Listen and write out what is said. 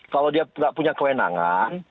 kalau dia tidak punya kewenangan